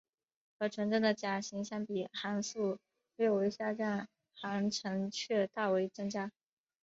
和纯正的甲型相比航速略为下降航程却大为增加。